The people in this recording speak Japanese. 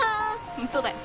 ホントだよ。